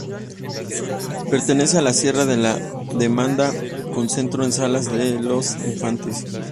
Pertenece a la Sierra de la Demanda, con centro en Salas de los Infantes.